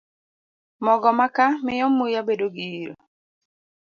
Mogo makaa miyo muya bedo gi iro.